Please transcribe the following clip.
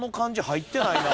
入ってないの！？